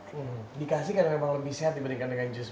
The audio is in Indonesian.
di kasih kan memang lebih sehat dibandingkan dengan juice